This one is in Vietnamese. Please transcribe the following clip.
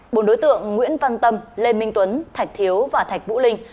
bốn đối tượng nguyễn văn tâm lê minh tuấn thạch thiếu và thạch vũ linh